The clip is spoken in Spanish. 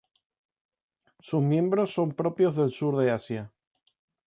Sus miembros son propios del sur de Asia.